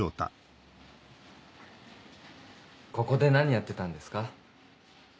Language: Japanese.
ここで何やってたんですか？